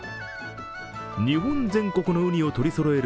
日本全国のうにを取りそろえる